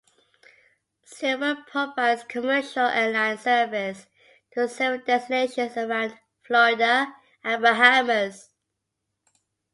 Silver provides commercial airline service to several destinations around Florida and Bahamas.